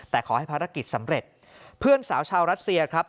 แต่ขอให้ภารกิจสำเร็จเพื่อนสาวชาวรัสเซียครับ